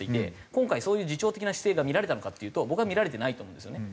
今回そういう自重的な姿勢が見られたのかっていうと僕は見られてないと思うんですよね。